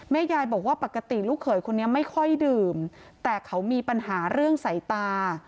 ยายบอกว่าปกติลูกเขยคนนี้ไม่ค่อยดื่มแต่เขามีปัญหาเรื่องสายตา